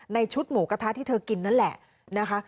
ชุดหมูกระทะที่เธอกินนั่นแหละนะคะ